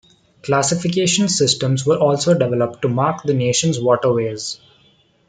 Classification systems were also developed to mark the nation's waterways.